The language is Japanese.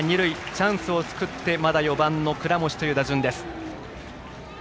チャンスを作ってまだ４番の倉持という打順です。